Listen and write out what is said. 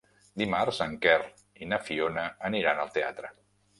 Dimarts en Quer i na Fiona aniran al teatre.